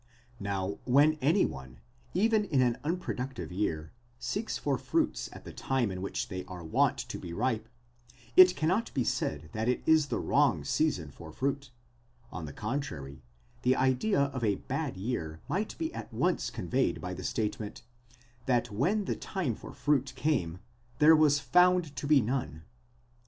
Now, when any one, even in an unproductive year, seeks for fruits at the time in which they are wont to be ripe, it cannot be said that it is the wrong season for fruit ; on the contrary, the idea of a bad year might be at once conveyed by the statement, that when the time for fruit came, ὅτε ἦλθεν ὃ καιρὸς τῶν καρπῶν, there was none to be found.